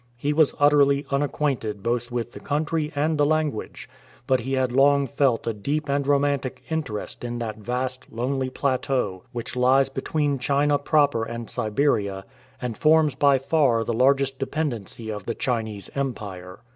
He was utterly unacquainted both with the country and the language, but he had long felt a deep and romantic interest in that vast, lonely plateau which lies between China proper and Siberia, and forn]s by far the largest dependency of the Chinese Em pire.